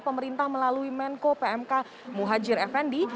pemerintah melalui menko pmk muhajir effendi